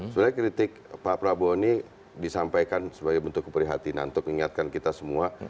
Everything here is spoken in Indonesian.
sebenarnya kritik pak prabowo ini disampaikan sebagai bentuk keprihatinan untuk mengingatkan kita semua